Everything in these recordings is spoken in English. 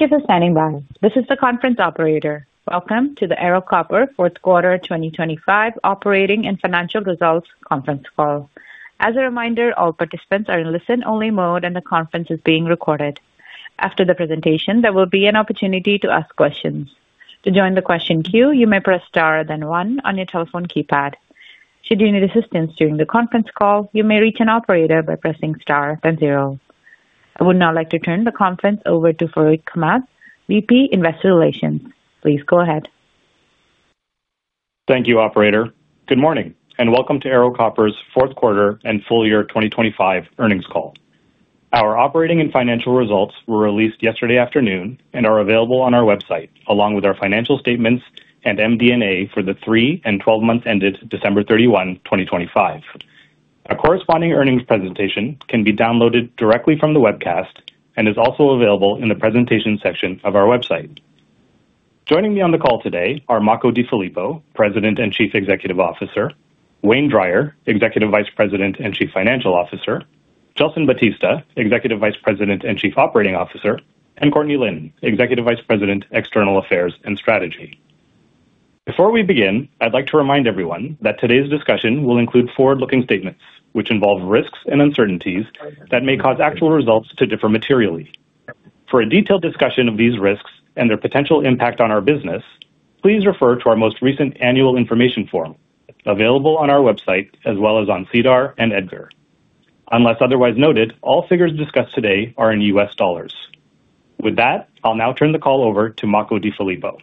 Thank you for standing by. This is the conference operator. Welcome to the Ero Copper Fourth Quarter 2025 Operating and Financial Results Conference Call. As a reminder, all participants are in listen-only mode and the conference is being recorded. After the presentation, there will be an opportunity to ask questions. To join the question queue, you may press Star, then one on your telephone keypad. Should you need assistance during the conference call, you may reach an operator by pressing Star then zero. I would now like to turn the conference over to Farooq Hamed, VP, Investor Relations. Please go ahead. Thank you, operator. Good morning and welcome to Ero Copper's fourth quarter and full year 2025 earnings call. Our operating and financial results were released yesterday afternoon and are available on our website along with our financial statements and MD&A for the three and 12 months ended December 31, 2025. A corresponding earnings presentation can be downloaded directly from the webcast and is also available in the Presentation section of our website. Joining me on the call today are Makko DeFilippo, President and Chief Executive Officer, Wayne Drier, Executive Vice President and Chief Financial Officer, Gelson Batista, Executive Vice President and Chief Operating Officer, and Courtney Lynn, Executive Vice President, External Affairs and Strategy. Before we begin, I'd like to remind everyone that today's discussion will include forward-looking statements, which involve risks and uncertainties that may cause actual results to differ materially. For a detailed discussion of these risks and their potential impact on our business, please refer to our most recent annual information form available on our website as well as on SEDAR and EDGAR. Unless otherwise noted, all figures discussed today are in US dollars. With that, I'll now turn the call over to Makko DeFilippo.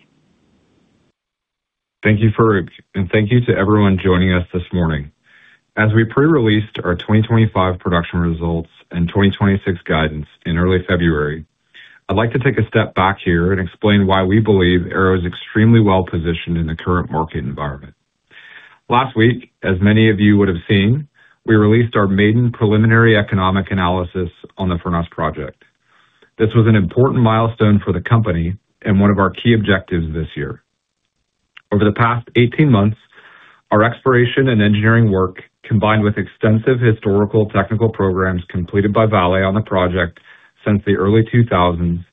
Thank you, Farooq, and thank you to everyone joining us this morning. As we pre-released our 2025 production results and 2026 guidance in early February, I'd like to take a step back here and explain why we believe Ero is extremely well-positioned in the current market environment. Last week, as many of you would have seen, we released our maiden preliminary economic analysis on the Furnas project. This was an important milestone for the company and one of our key objectives this year. Over the past 18 months, our exploration and engineering work, combined with extensive historical technical programs completed by Vale on the project since the early 2000s,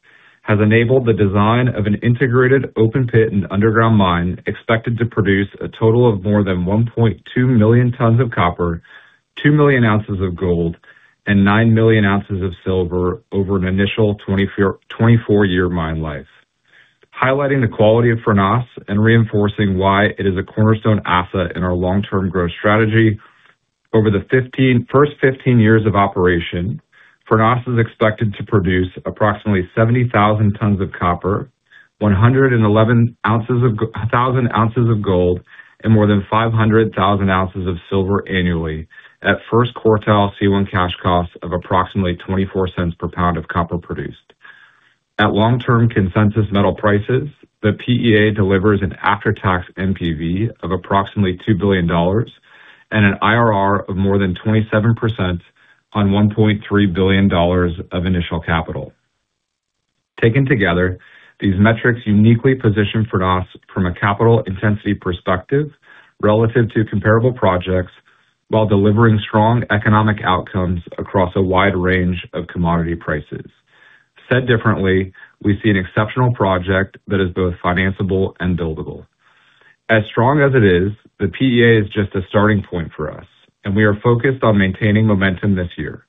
has enabled the design of an integrated open pit and underground mine expected to produce a total of more than 1.2 million tons of copper, 2 million ounces of gold, and 9 million ounces of silver over an initial 24-year mine life. Highlighting the quality of Furnas and reinforcing why it is a cornerstone asset in our long-term growth strategy, over the first 15 years of operation, Furnas is expected to produce approximately 70,000 tons of copper, 111,000 ounces of gold, and more than 500,000 ounces of silver annually at first quartile C1 cash costs of approximately $0.24 per pound of copper produced. At long term consensus metal prices, the PEA delivers an after-tax NPV of approximately $2 billion and an IRR of more than 27% on $1.3 billion of initial capital. Taken together, these metrics uniquely position Furnas from a capital intensity perspective relative to comparable projects while delivering strong economic outcomes across a wide range of commodity prices. Said differently, we see an exceptional project that is both financeable and buildable. As strong as it is, the PEA is just a starting point for us, and we are focused on maintaining momentum this year.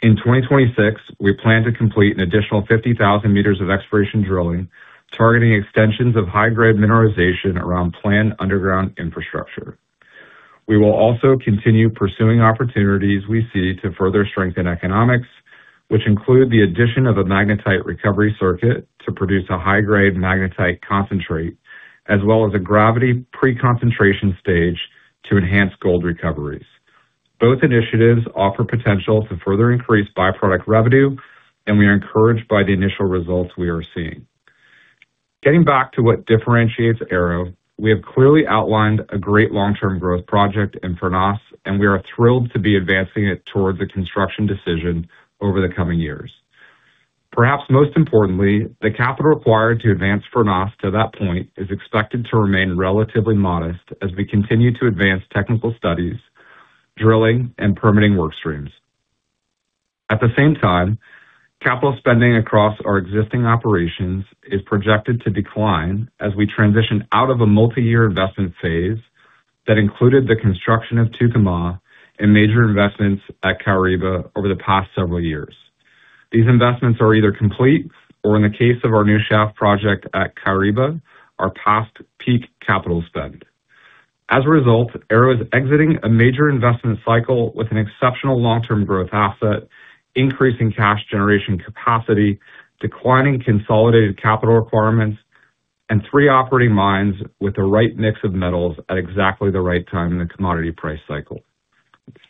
In 2026, we plan to complete an additional 50,000 meters of exploration drilling, targeting extensions of high-grade mineralization around planned underground infrastructure. We will also continue pursuing opportunities we see to further strengthen economics, which include the addition of a magnetite recovery circuit to produce a high-grade magnetite concentrate, as well as a gravity pre-concentration stage to enhance gold recoveries. Both initiatives offer potential to further increase byproduct revenue, and we are encouraged by the initial results we are seeing. Getting back to what differentiates Ero, we have clearly outlined a great long-term growth project in Furnas, and we are thrilled to be advancing it towards a construction decision over the coming years. Perhaps most importantly, the capital required to advance Furnas to that point is expected to remain relatively modest as we continue to advance technical studies, drilling, and permitting work streams. At the same time, capital spending across our existing operations is projected to decline as we transition out of a multi-year investment phase that included the construction of Tucumã and major investments at Caraíba over the past several years. These investments are either complete or, in the case of our new shaft project at Caraíba, are past peak capital spend. As a result, Ero is exiting a major investment cycle with an exceptional long-term growth asset, increasing cash generation capacity, declining consolidated capital requirements, and three operating mines with the right mix of metals at exactly the right time in the commodity price cycle.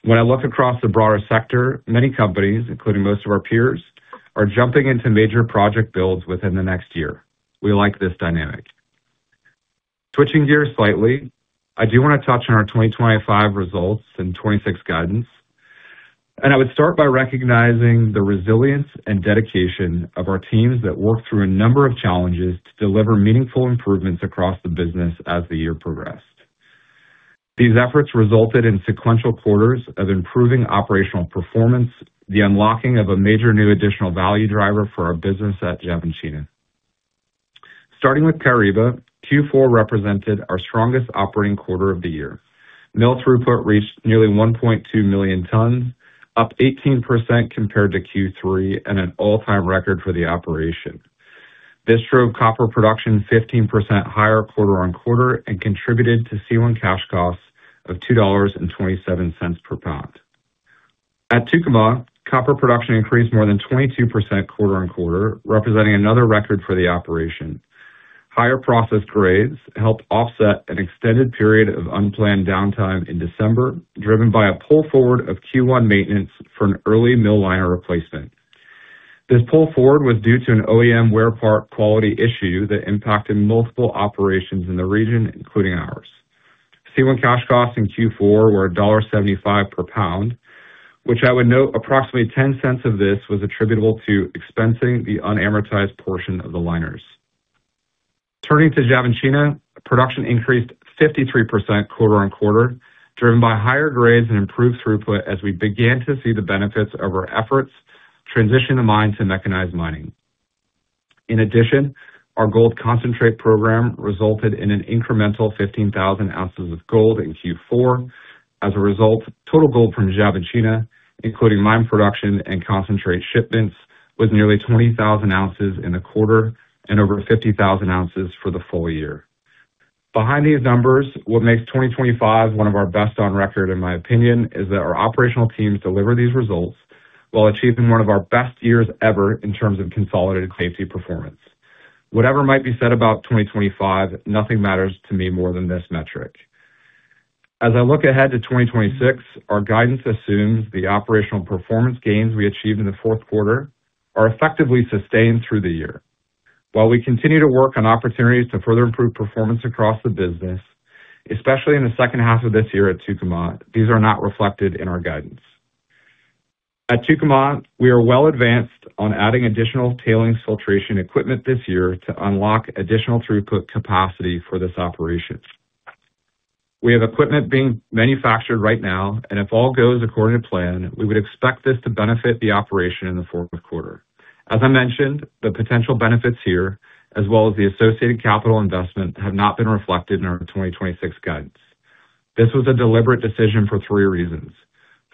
When I look across the broader sector, many companies, including most of our peers, are jumping into major project builds within the next year. We like this dynamic. Switching gears slightly, I do want to touch on our 2025 results and 2026 guidance. I would start by recognizing the resilience and dedication of our teams that work through a number of challenges to deliver meaningful improvements across the business as the year progressed. These efforts resulted in sequential quarters of improving operational performance, the unlocking of a major new additional value driver for our business at Xavantina. Starting with Caraíba, Q4 represented our strongest operating quarter of the year. Mill throughput reached nearly 1.2 million tons, up 18% compared to Q3 and an all-time record for the operation. This drove copper production 15% higher quarter-on-quarter and contributed to C1 cash costs of $2.27 per pound. At Tucumã, copper production increased more than 22% quarter-on-quarter, representing another record for the operation. Higher process grades helped offset an extended period of unplanned downtime in December, driven by a pull forward of Q1 maintenance for an early mill liner replacement. This pull forward was due to an OEM wear part quality issue that impacted multiple operations in the region, including ours. C1 cash costs in Q4 were $1.75 per pound, which I would note approximately $0.10 of this was attributable to expensing the unamortized portion of the liners. Turning to Xavantina, production increased 53% quarter-on-quarter, driven by higher grades and improved throughput as we began to see the benefits of our efforts transition the mine to mechanized mining. In addition, our gold concentrate program resulted in an incremental 15,000 ounces of gold in Q4. Total gold from Xavantina, including mine production and concentrate shipments, was nearly 20,000 ounces in a quarter and over 50,000 ounces for the full year. Behind these numbers, what makes 2025 one of our best on record, in my opinion, is that our operational teams deliver these results while achieving one of our best years ever in terms of consolidated safety performance. Whatever might be said about 2025, nothing matters to me more than this metric. As I look ahead to 2026, our guidance assumes the operational performance gains we achieved in the fourth quarter are effectively sustained through the year. While we continue to work on opportunities to further improve performance across the business, especially in the second half of this year at Tucumã, these are not reflected in our guidance. At Tucumã, we are well advanced on adding additional tailings filtration equipment this year to unlock additional throughput capacity for this operation. We have equipment being manufactured right now and if all goes according to plan, we would expect this to benefit the operation in the fourth quarter. As I mentioned, the potential benefits here, as well as the associated capital investment, have not been reflected in our 2026 guidance. This was a deliberate decision for three reasons.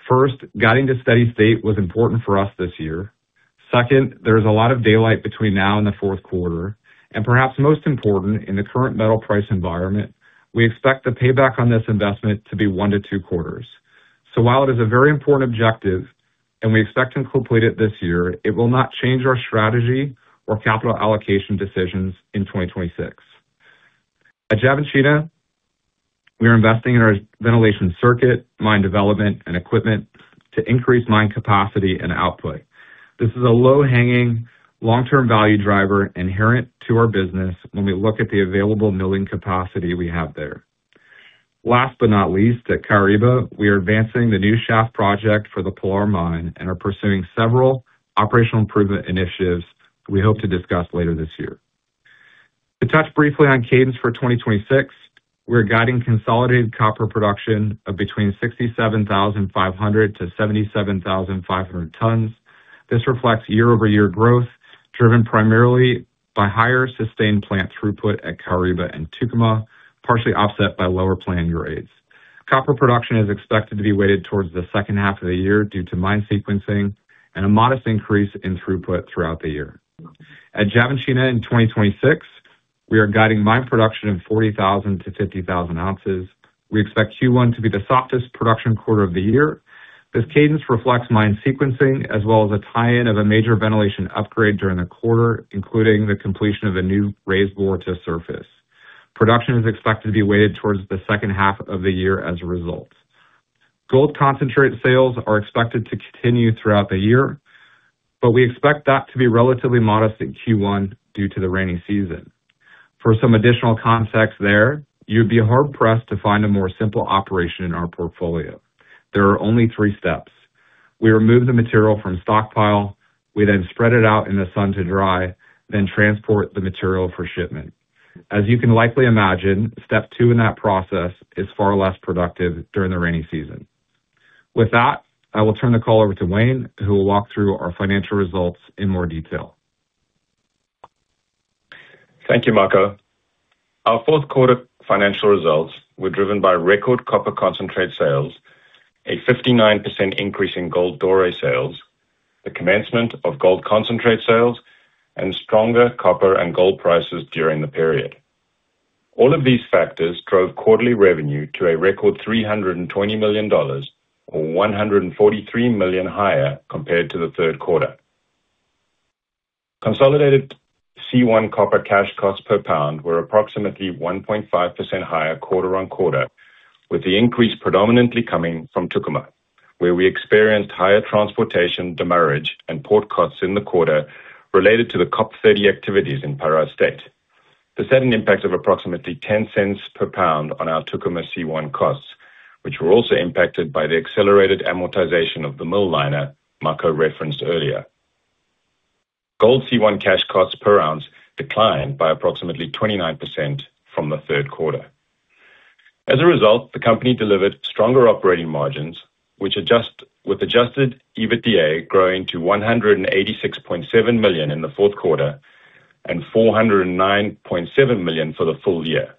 First, getting to steady state was important for us this year. Second, there is a lot of daylight between now and the fourth quarter. Perhaps most important, in the current metal price environment, we expect the payback on this investment to be one to two quarters. While it is a very important objective and we expect to complete it this year, it will not change our strategy or capital allocation decisions in 2026. At Xavantina, we are investing in our ventilation circuit, mine development and equipment to increase mine capacity and output. This is a low hanging long-term value driver inherent to our business when we look at the available milling capacity we have there. Last but not least, at Caraíba, we are advancing the new shaft project for the Pilar Mine and are pursuing several operational improvement initiatives we hope to discuss later this year. To touch briefly on cadence for 2026, we're guiding consolidated copper production of between 67,500 to 77,500 tons. This reflects year-over-year growth, driven primarily by higher sustained plant throughput at Caraíba and Tucumã, partially offset by lower planned grades. Copper production is expected to be weighted towards the second half of the year due to mine sequencing and a modest increase in throughput throughout the year. At Xavantina in 2026, we are guiding mine production of 40,000-50,000 ounces. We expect Q1 to be the softest production quarter of the year. This cadence reflects mine sequencing as well as a tie-in of a major ventilation upgrade during the quarter, including the completion of a new raise bore to surface. Production is expected to be weighted towards the second half of the year as a result. Gold concentrate sales are expected to continue throughout the year. We expect that to be relatively modest in Q1 due to the rainy season. For some additional context there, you'd be hard-pressed to find a more simple operation in our portfolio. There are only three steps. We remove the material from stockpile, we then spread it out in the sun to dry, then transport the material for shipment. As you can likely imagine, step two in that process is far less productive during the rainy season. With that, I will turn the call over to Wayne, who will walk through our financial results in more detail. Thank you, Makko. Our fourth quarter financial results were driven by record copper concentrate sales, a 59% increase in gold doré sales, the commencement of gold concentrate sales, and stronger copper and gold prices during the period. All of these factors drove quarterly revenue to a record $320 million or $143 million higher compared to the third quarter. Consolidated C1 cash costs per pound were approximately 1.5% higher quarter-on-quarter, with the increase predominantly coming from Tucumã, where we experienced higher transportation demurrage and port costs in the quarter related to the COP30 activities in Pará State. This had an impact of approximately $0.10 per pound on our Tucumã C1 costs, which were also impacted by the accelerated amortization of the mill liner Makko referenced earlier. Gold C1 cash costs per ounce declined by approximately 29% from the third quarter. As a result, the company delivered stronger operating margins, with adjusted EBITDA growing to $186.7 million in the fourth quarter and $409.7 million for the full year.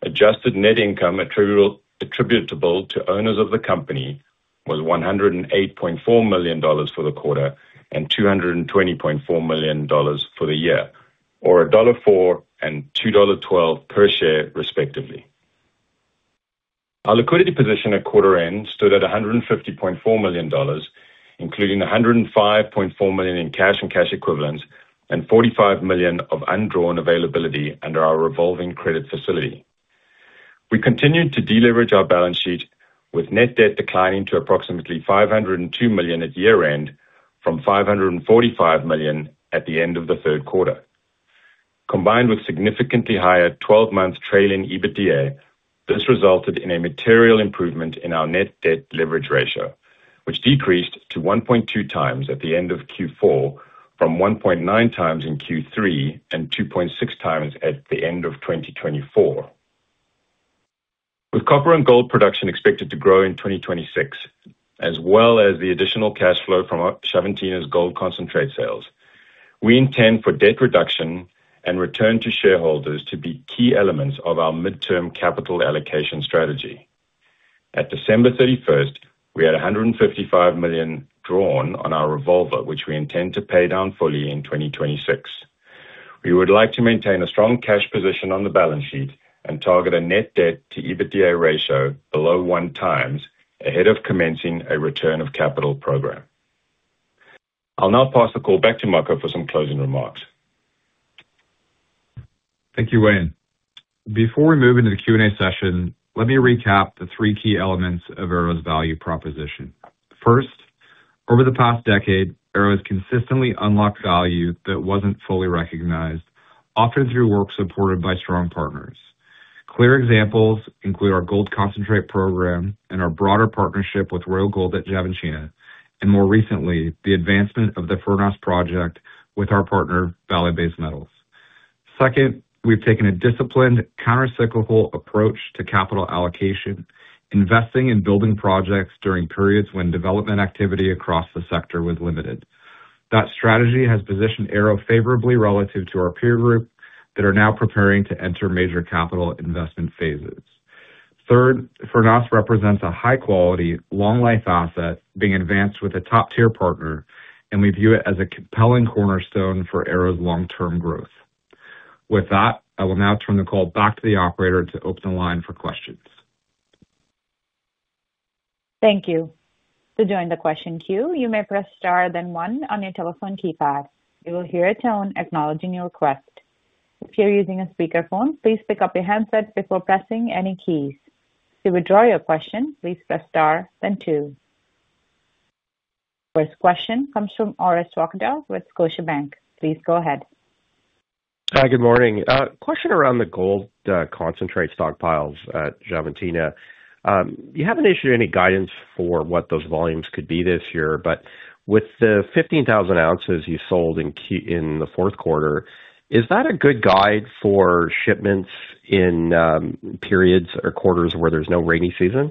Adjusted net income attributable to owners of the company was $108.4 million for the quarter and $220.4 million for the year, or $1.04 and $2.12 per share, respectively. Our liquidity position at quarter end stood at $150.4 million, including $105.4 million in cash and cash equivalents, and $45 million of undrawn availability under our revolving credit facility. We continued to deleverage our balance sheet, with net debt declining to approximately $502 million at year-end from $545 million at the end of the third quarter. Combined with significantly higher 12-month trailing EBITDA, this resulted in a material improvement in our net debt leverage ratio, which decreased to 1.2x at the end of Q4 from 1.9x in Q3 and 2.6x at the end of 2024. With copper and gold production expected to grow in 2026, as well as the additional cash flow from our Xavantina's gold concentrate sales, we intend for debt reduction and return to shareholders to be key elements of our midterm capital allocation strategy. At December 31st, we had $155 million drawn on our revolver, which we intend to pay down fully in 2026. We would like to maintain a strong cash position on the balance sheet and target a net debt to EBITDA ratio below 1x ahead of commencing a return of capital program. I'll now pass the call back to Makko for some closing remarks. Thank you, Wayne. Before we move into the Q&A session, let me recap the three key elements of Ero's value proposition. First, over the past decade, Ero has consistently unlocked value that wasn't fully recognized, often through work supported by strong partners. Clear examples include our gold concentrate program and our broader partnership with Royal Gold at Xavantina, and more recently, the advancement of the Furnas project with our partner, Vale Base Metals. Second, we've taken a disciplined countercyclical approach to capital allocation, investing in building projects during periods when development activity across the sector was limited. That strategy has positioned Ero favorably relative to our peer group that are now preparing to enter major capital investment phases. Third, Furnas represents a high quality, long life asset being advanced with a top-tier partner, and we view it as a compelling cornerstone for Ero's long-term growth. With that, I will now turn the call back to the operator to open the line for questions. Thank you. To join the question queue, you may press Star then one on your telephone keypad. You will hear a tone acknowledging your request. If you're using a speakerphone, please pick up your handset before pressing any keys. To withdraw your question, please press Star then two. First question comes from Orest Wowkodaw with Scotiabank. Please go ahead. Hi, good morning. A question around the gold concentrate stockpiles at Xavantina. You haven't issued any guidance for what those volumes could be this year, but with the 15,000 ounces you sold in the fourth quarter, is that a good guide for shipments in periods or quarters where there's no rainy season?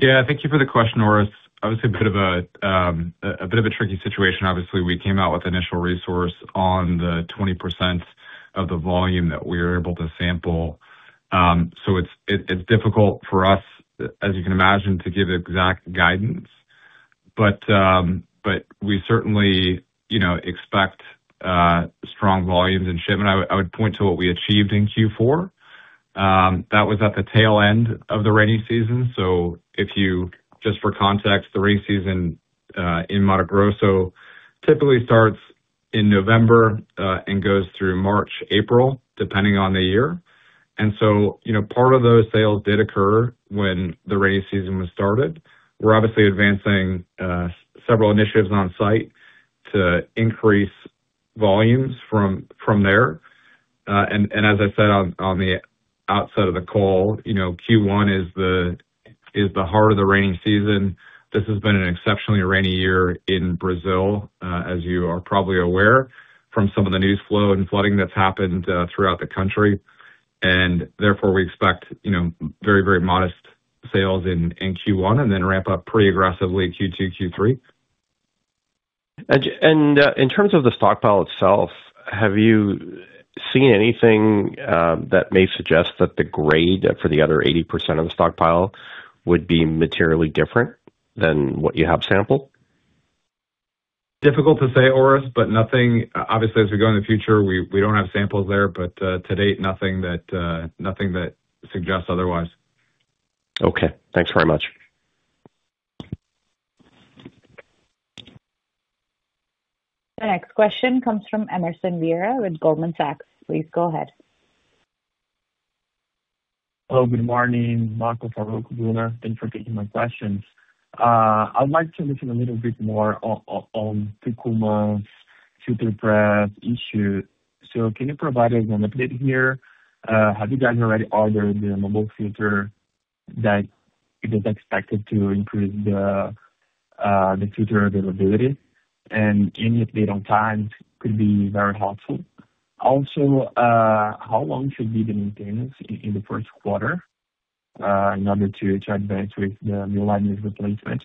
Thank you for the question, Orest. Obviously, a bit of a tricky situation. Obviously, we came out with initial resource on the 20% of the volume that we're able to sample. It's difficult for us, as you can imagine, to give exact guidance. We certainly, you know, expect strong volumes in shipment. I would point to what we achieved in Q4. That was at the tail end of the rainy season. If you, just for context, the rainy season in Mato Grosso typically starts in November and goes through March, April, depending on the year. You know, part of those sales did occur when the rainy season was started. We're obviously advancing several initiatives on site to increase volumes from there. As I said on the outset of the call, you know, Q1 is the heart of the rainy season. This has been an exceptionally rainy year in Brazil, as you are probably aware from some of the news flow and flooding that's happened throughout the country. Therefore, we expect, you know, very modest sales in Q1, then ramp up pretty aggressively Q2, Q3. In terms of the stockpile itself, have you seen anything that may suggest that the grade for the other 80% of the stockpile would be materially different than what you have sampled? Difficult to say, Orest. Obviously, as we go in the future, we don't have samples there, but to date, nothing that suggests otherwise. Okay. Thanks very much. The next question comes from Emerson Vieira with Goldman Sachs. Please go ahead. Hello, good morning. Makko, Wowkodaw. Thanks for taking my questions. I'd like to listen a little bit more on Tucumã's filter press issue. Can you provide us an update here? Have you guys already ordered the mobile filter? That it is expected to increase the future availability and any update on time could be very helpful. Also, how long should be the maintenance in the first quarter in order to check that with the new line's replacement?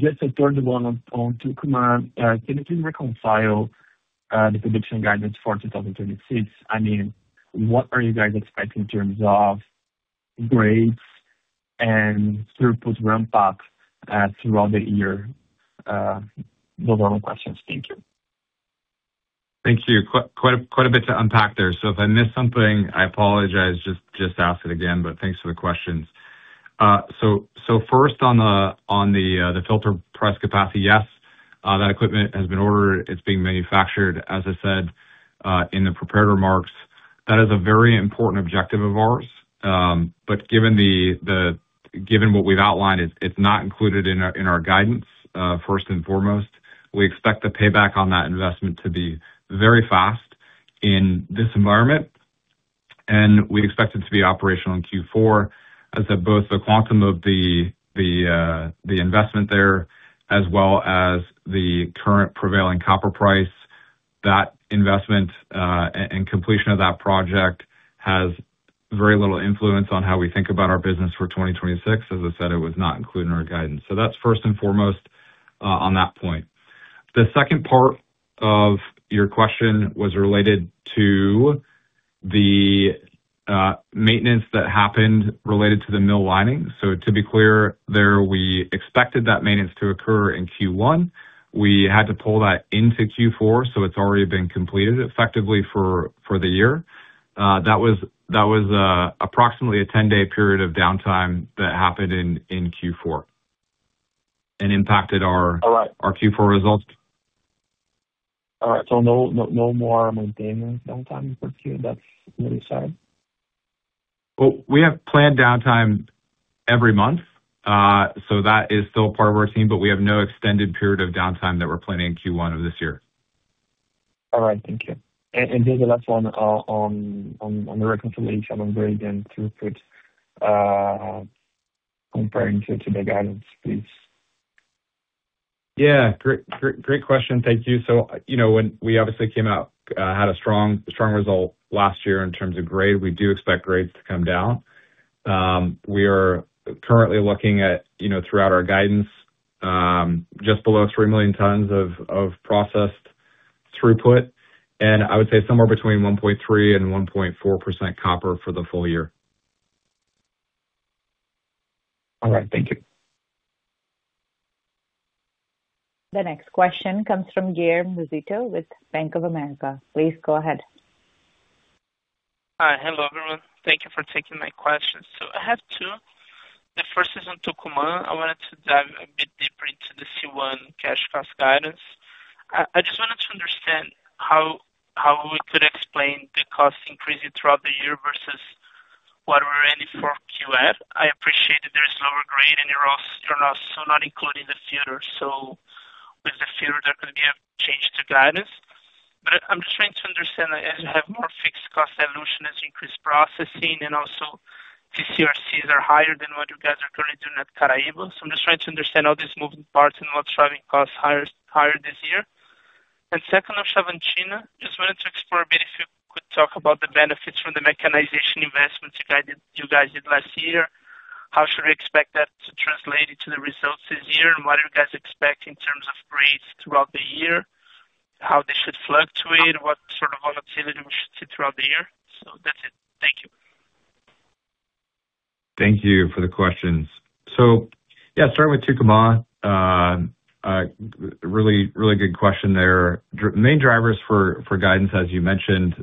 Just a third one on Tucumã. Can you please reconcile the production guidance for 2026? I mean, what are you guys expecting in terms of grades and surplus ramp-up throughout the year? Those are my questions. Thank you. Thank you. Quite a bit to unpack there. If I miss something, I apologize. Just ask it again. Thanks for the questions. First on the filter press capacity, yes, that equipment has been ordered. It's being manufactured, as I said, in the prepared remarks. That is a very important objective of ours. Given what we've outlined, it's not included in our guidance, first and foremost. We expect the payback on that investment to be very fast in this environment, and we expect it to be operational in Q4. As of both the quantum of the investment there, as well as the current prevailing copper price. That investment, and completion of that project has very little influence on how we think about our business for 2026. As I said, it was not included in our guidance. That's first and foremost on that point. The second part of your question was related to the maintenance that happened related to the mill lining. To be clear there, we expected that maintenance to occur in Q1. We had to pull that into Q4. It's already been completed effectively for the year. That was approximately a 10-day period of downtime that happened in Q4 and impacted our- All right. Our Q4 results. All right, no, no more maintenance downtime for Q. That's really sad. Well, we have planned downtime every month. That is still part of our team, but we have no extended period of downtime that we're planning in Q1 of this year. All right. Thank you. Then the last one, on the reconciliation on grade and throughput, comparing to the guidance, please. Yeah. Great, great question. Thank you. You know, when we obviously came out, had a strong result last year in terms of grade, we do expect grades to come down. We are currently looking at, you know, throughout our guidance, just below 3 million tons of processed throughput. I would say somewhere between 1.3% and 1.4% copper for the full year. All right. Thank you. The next question comes from Guilherme Rosito with Bank of America. Please go ahead. Hi. Hello, everyone. Thank you for taking my questions. I have two. The first is on Tucumã. I wanted to dive a bit deeper into the C1 cash cost guidance. I just wanted to understand how we could explain the cost increasing throughout the year versus what we're earning for QF. I appreciate that there is lower grade and you're also not including the future, so with the future, there could be a change to guidance. I'm just trying to understand, as you have more fixed cost evolution, as you increase processing and also TCRCs are higher than what you guys are currently doing at Caraíba. I'm just trying to understand all these moving parts and what's driving costs higher this year. Second, on Xavantina, just wanted to explore a bit, if you could talk about the benefits from the mechanization investments you guys did last year. How should we expect that to translate into the results this year? What do you guys expect in terms of grades throughout the year? How they should fluctuate? What sort of volatility we should see throughout the year? That's it. Thank you. Thank you for the questions. Yeah, starting with Tucumã. Really, really good question there. Main drivers for guidance, as you mentioned,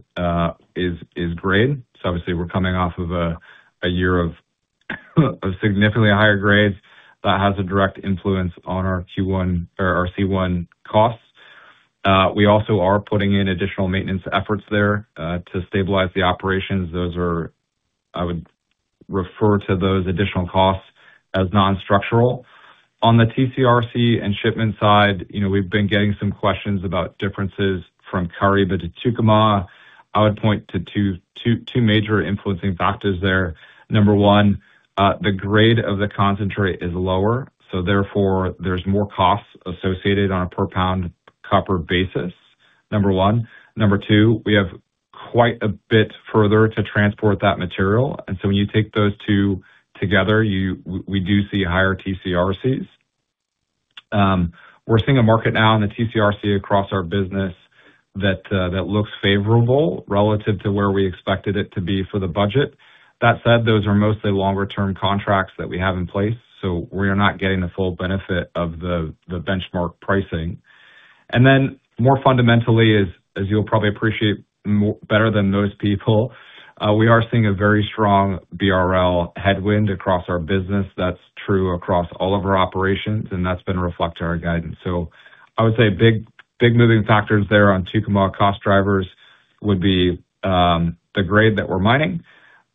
is grade. Obviously we're coming off of a year of significantly higher grades. That has a direct influence on our Q1 or our C1 costs. We also are putting in additional maintenance efforts there to stabilize the operations. Those are. I would refer to those additional costs as non-structural. On the TCRC and shipment side, you know, we've been getting some questions about differences from Caraíba to Tucumã. I would point to two major influencing factors there. Number one, the grade of the concentrate is lower, so therefore, there's more costs associated on a per pound copper basis, number one. Number two, we have quite a bit further to transport that material. When you take those two together, we do see higher TCRCs. We're seeing a market now in the TCRC across our business that looks favorable relative to where we expected it to be for the budget. That said, those are mostly longer term contracts that we have in place, so we are not getting the full benefit of the benchmark pricing. More fundamentally, as you'll probably appreciate more, better than most people, we are seeing a very strong BRL headwind across our business. That's true across all of our operations, and that's been reflected in our guidance. I would say big moving factors there on Tucumã cost drivers would be, the grade that we're mining,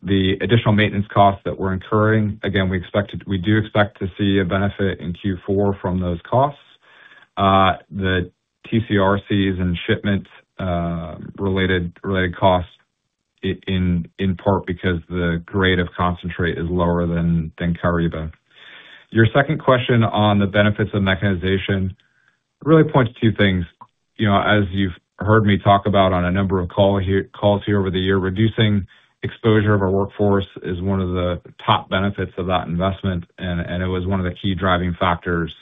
the additional maintenance costs that we're incurring. We do expect to see a benefit in Q4 from those costs. The TCRCs and shipments, related costs in part because the grade of concentrate is lower than Caraíba. Your second question on the benefits of mechanization really points to two things. You know, as you've heard me talk about on a number of calls here over the year, reducing exposure of our workforce is one of the top benefits of that investment, and it was one of the key driving factors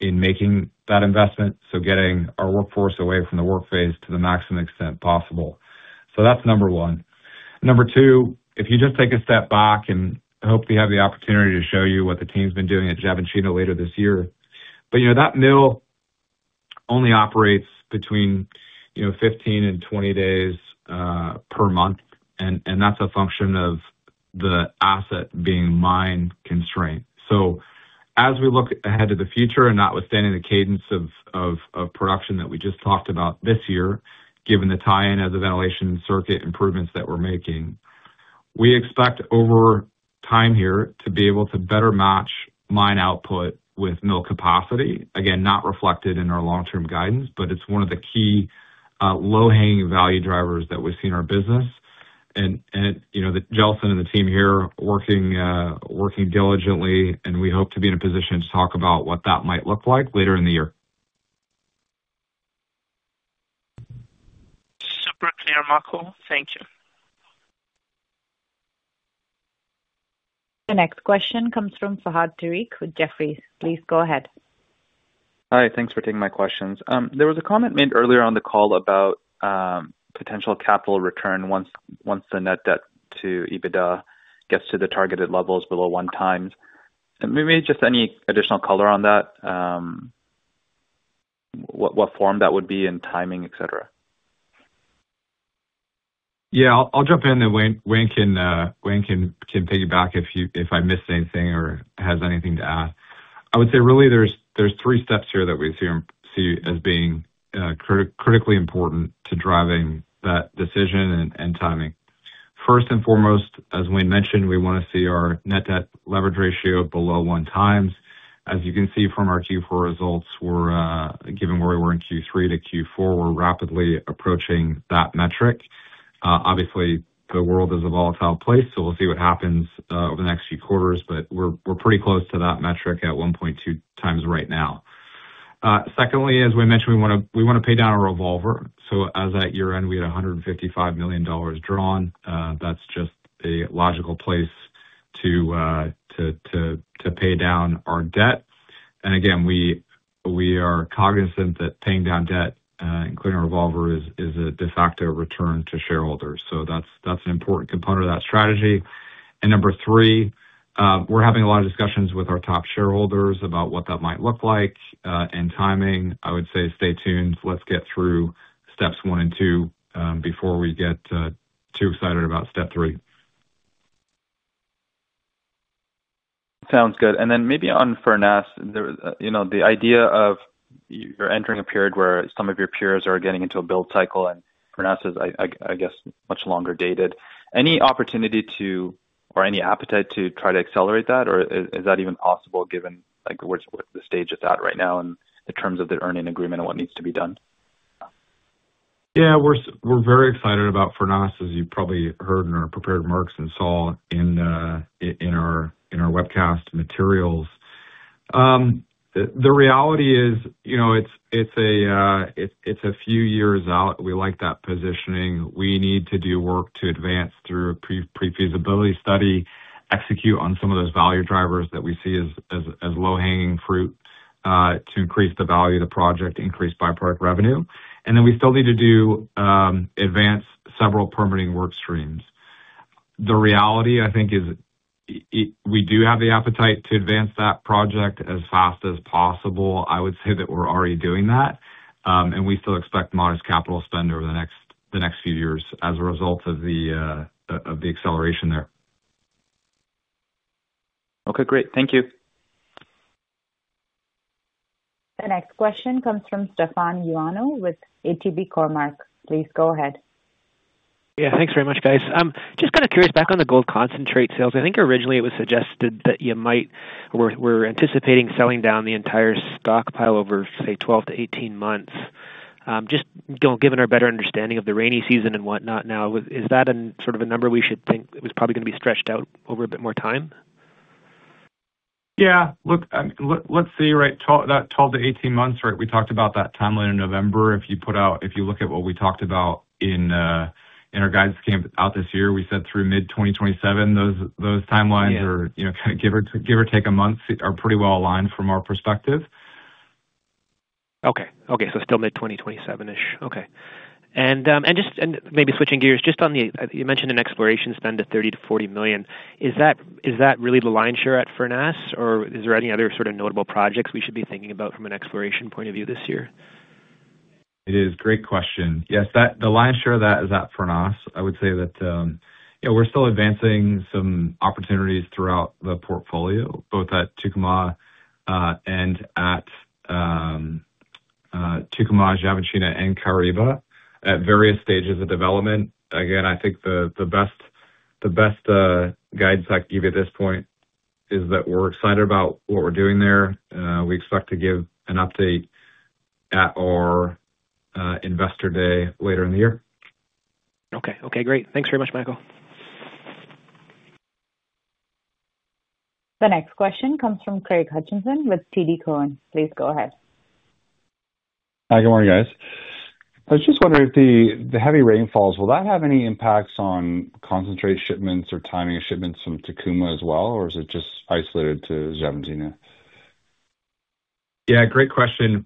in making that investment. Getting our workforce away from the work phase to the maximum extent possible. That's number one. Number two, if you just take a step back and hope to have the opportunity to show you what the team's been doing at Xavantina later this year. You know, that mill only operates between, you know, 15 and 20 days per month. That's a function of the asset being mine constraint. As we look ahead to the future, and notwithstanding the cadence of production that we just talked about this year, given the tie in as a ventilation circuit improvements that we're making, we expect over time here to be able to better match mine output with mill capacity. Again, not reflected in our long term guidance, but it's one of the key low hanging value drivers that we see in our business. You know, Gelson and the team here are working diligently, and we hope to be in a position to talk about what that might look like later in the year. Super clear, Michael. Thank you. The next question comes from Fahad Tariq with Jefferies. Please go ahead. Hi. Thanks for taking my questions. There was a comment made earlier on the call about potential capital return once the net debt to EBITDA gets to the targeted levels below one times. Maybe just any additional color on that, what form that would be in timing, et cetera? Wayne can piggyback if I missed anything or has anything to add. I would say, really there's three steps here that we see as being critically important to driving that decision and timing. First and foremost, as we mentioned, we want to see our net debt leverage ratio below 1 times. As you can see from our Q4 results, we're given where we were in Q3 to Q4, we're rapidly approaching that metric. Obviously the world is a volatile place, we'll see what happens over the next few quarters. We're pretty close to that metric at 1.2x right now. Secondly, as we mentioned, we want to pay down a revolver. As at year-end, we had $155 million drawn. That's just a logical place to pay down our debt. Again, we are cognizant that paying down debt, including a revolver is a de facto return to shareholders. That's an important component of that strategy. Number three, we're having a lot of discussions with our top shareholders about what that might look like and timing. I would say stay tuned. Let's get through steps oneand 2 before we get too excited about step three. Sounds good. Then maybe on Furnas, there, you know, the idea of you're entering a period where some of your peers are getting into a build cycle, and Furnas is, I guess, much longer dated. Any opportunity to or any appetite to try to accelerate that? Or is that even possible given, like, where's the stage it's at right now in terms of the earning agreement and what needs to be done? Yeah. We're very excited about Furnas, as you probably heard in our prepared remarks and saw in our webcast materials. The reality is, you know, it's a few years out. We like that positioning. We need to do work to advance through a pre-feasibility study, execute on some of those value drivers that we see as low hanging fruit, to increase the value of the project, increase by-product revenue. Then we still need to do advance several permitting work streams. The reality, I think, is we do have the appetite to advance that project as fast as possible. I would say that we're already doing that. We still expect modest capital spend over the next few years as a result of the acceleration there. Okay. Great. Thank you. The next question comes from Stefan Ioannou with ATB Cormark. Please go ahead. Thanks very much, guys. Just kind of curious back on the gold concentrate sales. I think originally it was suggested that you were anticipating selling down the entire stockpile over, say, 12-18 months. Just given our better understanding of the rainy season and whatnot now, is that an sort of a number we should think is probably going to be stretched out over a bit more time? Yeah. Look, let's see, right? 12-18 months, right? We talked about that timeline in November. If you put out, if you look at what we talked about in our guidance came out this year, we said through mid-2027, those timelines are- Yeah. You know, give or take a month, are pretty well aligned from our perspective. Okay. Still mid-2027-ish. Okay. Maybe switching gears just on the, you mentioned an exploration spend of $30 million-$40 million. Is that really the lion's share at Furnas or is there any other sort of notable projects we should be thinking about from an exploration point of view this year? It is. Great question. Yes, the lion's share of that is at Furnas. I would say that, yeah, we're still advancing some opportunities throughout the portfolio, both at Tucumã, and at Tucumã, Xavantina and Caraíba at various stages of development. Again, I think the best guidance I can give you at this point is that we're excited about what we're doing there. We expect to give an update at our investor day later in the year. Okay. Okay, great. Thanks very much, Michael. The next question comes from Craig Hutchison with TD Cowen. Please go ahead. Hi. Good morning, guys. I was just wondering if the heavy rainfalls, will that have any impacts on concentrated shipments or timing of shipments from Tucumã as well? Is it just isolated to Xavantina? Great question.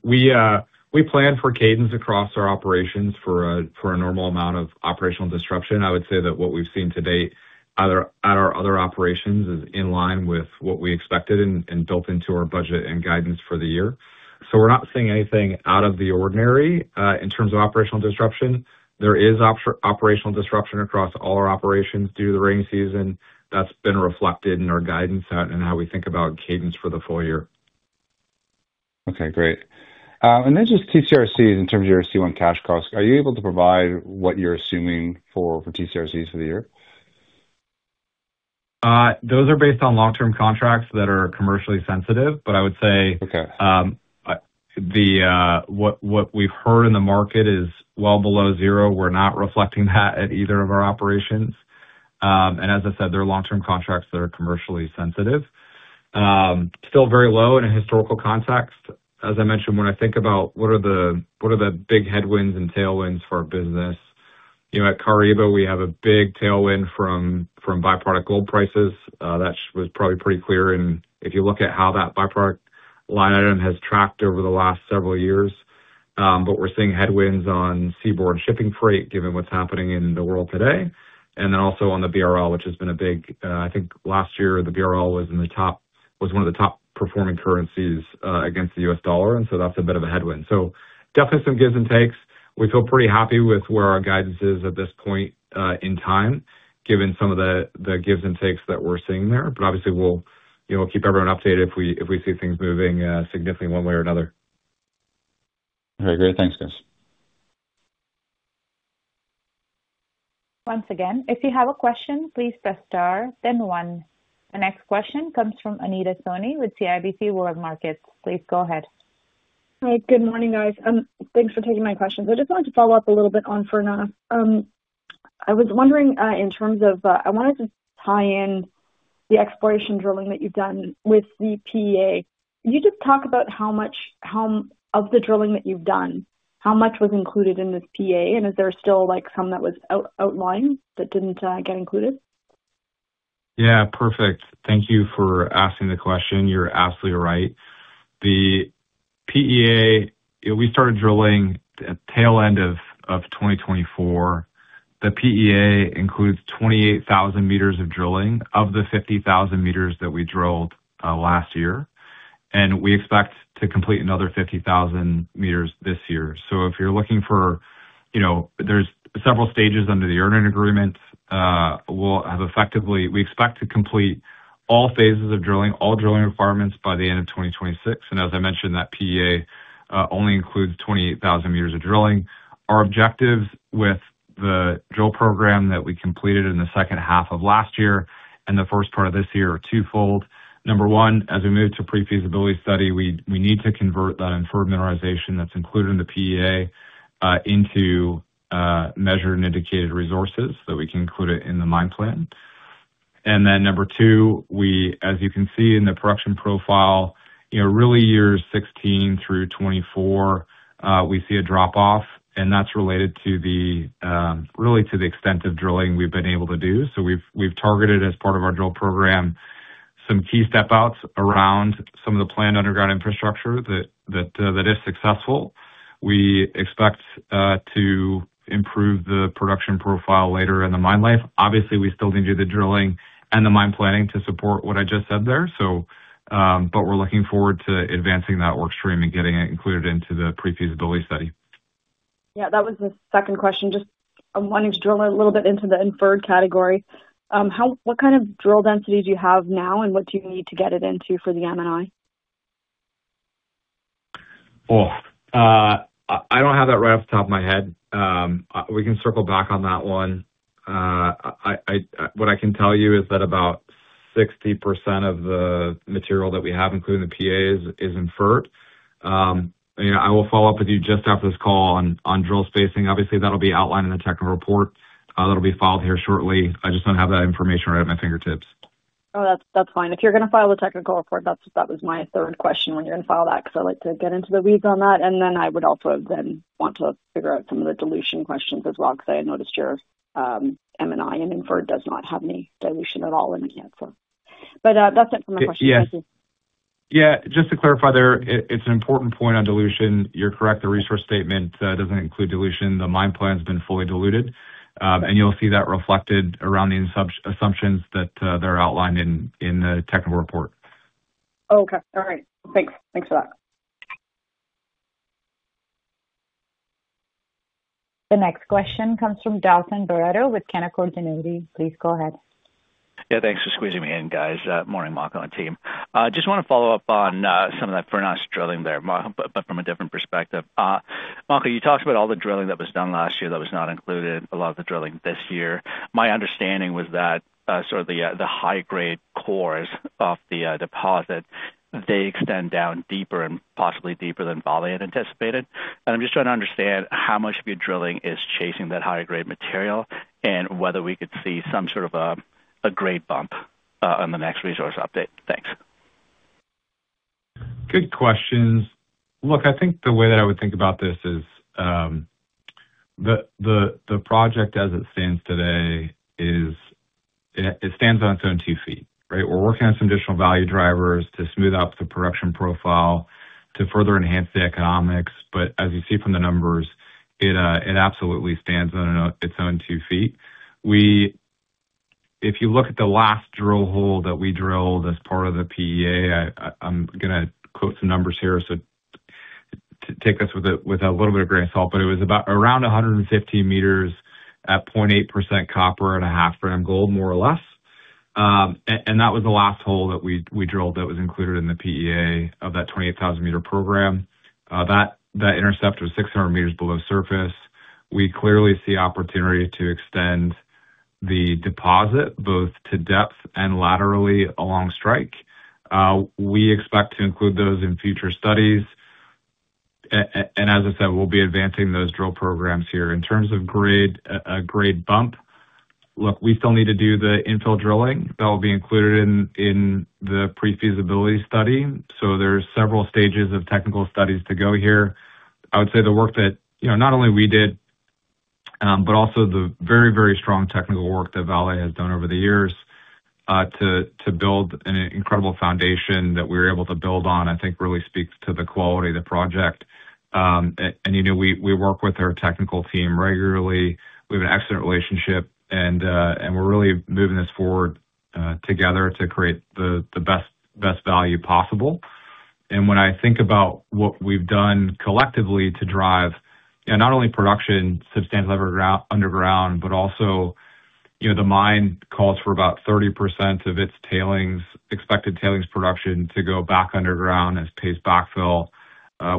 We plan for cadence across our operations for a normal amount of operational disruption. I would say that what we've seen to date at our other operations is in line with what we expected and built into our budget and guidance for the year. We're not seeing anything out of the ordinary in terms of operational disruption. There is operational disruption across all our operations due to the rain season that's been reflected in our guidance and how we think about cadence for the full year. Okay, great. just TCRCs in terms of your C1 cash costs, are you able to provide what you're assuming for TCRCs for the year? Those are based on long-term contracts that are commercially sensitive. I would say. Okay. The what we've heard in the market is well below zero. We're not reflecting that at either of our operations. And as I said, they're long-term contracts that are commercially sensitive. Still very low in a historical context. As I mentioned, when I think about what are the big headwinds and tailwinds for our business, you know, at Caraíba we have a big tailwind from byproduct gold prices. That was probably pretty clear. And if you look at how that byproduct line item has tracked over the last several years, but we're seeing headwinds on seaborne shipping freight given what's happening in the world today. And then also on the BRL, which has been a big. I think last year the BRL was one of the top performing currencies against the US dollar, and so that's a bit of a headwind. Definitely some gives and takes. We feel pretty happy with where our guidance is at this point in time, given some of the gives and takes that we're seeing there. Obviously we'll, you know, keep everyone updated if we, if we see things moving significantly one way or another. All right, great. Thanks, guys. Once again, if you have a question, please press Star then One. The next question comes from Anita Soni with CIBC World Markets. Please go ahead. Hi. Good morning, guys. Thanks for taking my questions. I just wanted to follow up a little bit on Furnas. I was wondering in terms of, I wanted to tie in the exploration drilling that you've done with the PEA. Can you just talk about how much of the drilling that you've done, how much was included in this PEA, and is there still, like, some that was outlined that didn't get included? Yeah, perfect. Thank you for asking the question. You're absolutely right. The PEA, we started drilling at the tail end of 2024. The PEA includes 28,000 m of drilling of the 50,000 m that we drilled last year. We expect to complete another 50,000 m this year. If you're looking for, you know, there's several stages under the earn-in agreement. We'll have effectively, we expect to complete all phases of drilling, all drilling requirements by the end of 2026. As I mentioned, that PEA only includes 28,000 m of drilling. Our objectives with the drill program that we completed in the second half of last year and the first part of this year are twofold. Number one, as we move to pre-feasibility study, we need to convert that inferred mineralization that's included in the PEA into measured and indicated resources, so we can include it in the mine plan. Number two, we, as you can see in the production profile, you know, really years 2016 through 2024, we see a drop off and that's related to the really to the extent of drilling we've been able to do. We've targeted as part of our drill program some key step outs around some of the planned underground infrastructure that that is successful. We expect to improve the production profile later in the mine life. Obviously, we still need to do the drilling and the mine planning to support what I just said there, but we're looking forward to advancing that work stream and getting it included into the pre-feasibility study. Yeah, that was the second question. Just I'm wanting to drill a little bit into the Inferred category. What kind of drill density do you have now, and what do you need to get it into for the M&I? I don't have that right off the top of my head. We can circle back on that one. I, what I can tell you is that about 60% of the material that we have included in the PEA is inferred. Yeah, I will follow up with you just after this call on drill spacing. Obviously, that'll be outlined in the technical report that'll be filed here shortly. I just don't have that information right at my fingertips. Oh, that's fine. If you're going to file the technical report, that's, that was my third question when you're going to file that, because I'd like to get into the weeds on that. I would also then want to figure out some of the dilution questions as well, because I noticed your M&I and Inferred does not have any dilution at all in the Canaccord. That's it for my questions. Thank you. Yeah. Yeah. Just to clarify there, it's an important point on dilution. You're correct. The resource statement doesn't include dilution. The mine plan's been fully diluted. You'll see that reflected around the assumptions that they're outlined in the technical report. Okay. All right. Thanks. Thanks for that. The next question comes from Dalton Baretto with Canaccord Genuity. Please go ahead. Yeah, thanks for squeezing me in, guys. Morning, Makko and team. I just want to follow up on some of that pronounced drilling there, but from a different perspective. Makko, you talked about all the drilling that was done last year that was not included, a lot of the drilling this year. My understanding was that, sort of the high grade cores of the deposit, they extend down deeper and possibly deeper than Vale had anticipated. I'm just trying to understand how much of your drilling is chasing that higher grade material and whether we could see some sort of a grade bump on the next resource update. Thanks. Good questions. Look, I think the way that I would think about this is, the project as it stands today, it stands on its own two feet, right? We're working on some additional value drivers to smooth out the production profile to further enhance the economics. As you see from the numbers, it absolutely stands on its own two feet. If you look at the last drill hole that we drilled as part of the PEA, I'm going to quote some numbers here, so take this with a little bit of grain of salt, but it was about around 115 m at 0.8% copper and a half gram gold, more or less. That was the last hole that we drilled that was included in the PEA of that 28,000 m program. That intercept was 600 m below surface. We clearly see opportunity to extend the deposit both to depth and laterally along strike. We expect to include those in future studies. As I said, we'll be advancing those drill programs here. In terms of grade, a grade bump, look, we still need to do the infill drilling that will be included in the pre-feasibility study, so there are several stages of technical studies to go here. I would say the work that, you know, not only we did, but also the very, very strong technical work that Vale has done over the years, to build an incredible foundation that we're able to build on, I think really speaks to the quality of the project. You know, we work with our technical team regularly. We have an excellent relationship and we're really moving this forward together to create the best value possible. When I think about what we've done collectively to drive, you know, not only production substantial underground, but also, you know, the mine calls for about 30% of its tailings, expected tailings production to go back underground as paste backfill.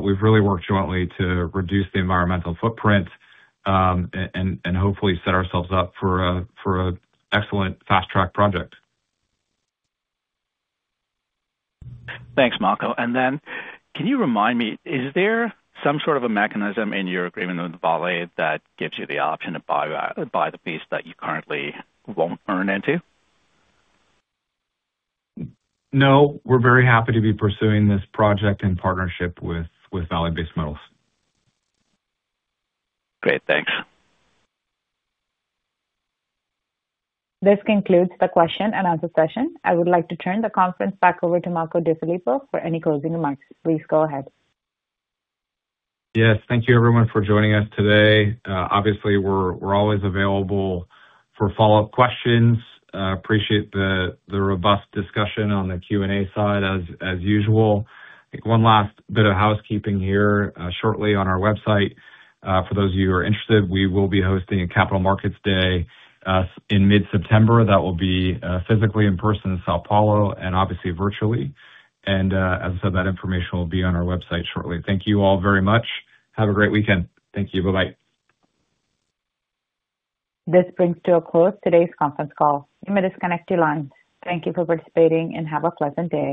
We've really worked jointly to reduce the environmental footprint, and hopefully set ourselves up for a excellent fast-track project. Thanks, Makko. Can you remind me, is there some sort of a mechanism in your agreement with Vale that gives you the option to buy the piece that you currently won't earn into? No, we're very happy to be pursuing this project in partnership with Vale Base Metals. Great. Thanks. This concludes the question and answer session. I would like to turn the conference back over to Makko DeFilippo for any closing remarks. Please go ahead. Yes. Thank you everyone for joining us today. Obviously we're always available for follow-up questions. Appreciate the robust discussion on the Q&A side as usual. I think one last bit of housekeeping here. Shortly on our website, for those of you who are interested, we will be hosting a Capital Markets Day in mid-September. That will be physically in person in São Paulo and obviously virtually. As I said, that information will be on our website shortly. Thank you all very much. Have a great weekend. Thank you. Bye-bye. This brings to a close today's conference call. You may disconnect your lines. Thank you for participating and have a pleasant day.